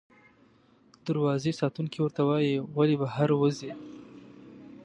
دروازې ساتونکی ورته وایي، ولې بهر وځې؟